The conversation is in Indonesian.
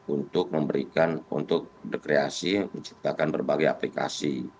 untuk memberikan untuk kreasi menciptakan berbagai aplikasi